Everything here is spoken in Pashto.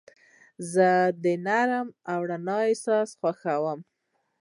زه د نرمې رڼا احساس خوښوم.